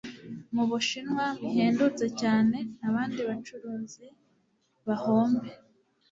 mu Bushinwa bihendutse cyane, abandi bacuruzi bahombe.